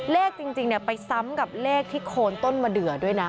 จริงไปซ้ำกับเลขที่โคนต้นมะเดือด้วยนะ